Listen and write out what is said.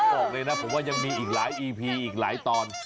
บอกเลยนะผมว่ายังมีอีกหลายอีพีอีกหลายตอน